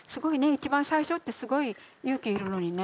一番最初ってすごい勇気要るのにね。